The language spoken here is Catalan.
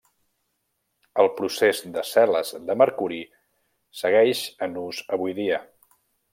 El procés de cel·les de mercuri segueix en ús avui dia.